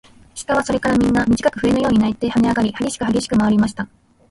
鹿はそれからみんな、みじかく笛のように鳴いてはねあがり、はげしくはげしくまわりました。